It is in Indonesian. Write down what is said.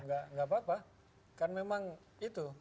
nggak apa apa kan memang itu